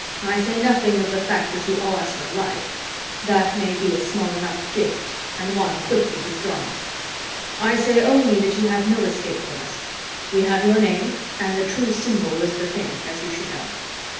I say nothing of the fact that you owe us your life; that may be a small enough gift, and one quickly withdrawn. I say only that you have no escape from us. We have your name, and the true symbol is the thing, as you should know.